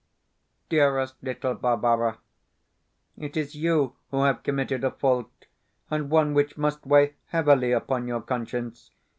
DEAREST LITTLE BARBARA, It is YOU who have committed a fault and one which must weigh heavily upon your conscience.